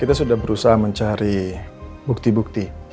kita sudah berusaha mencari bukti bukti